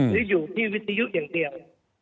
หรืออยู่ที่วิทยุอย่างเดียว